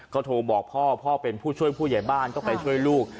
ก็โทรบอกพ่อพ่อเป็นผู้ช่วยผู้ใหญ่บ้านก็ไปช่วยลูก